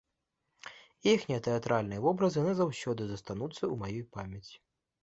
Іхнія тэатральныя вобразы назаўсёды застануцца ў маёй памяці.